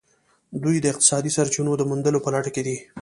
دوی د اقتصادي سرچینو د موندلو په لټه کې دي